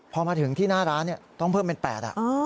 พอมาถึงที่หน้าร้านต้องเพิ่มเป็น๘